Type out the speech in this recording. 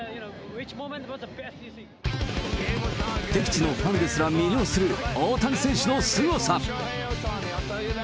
適地のファンですら魅了する、大谷選手のすごさ。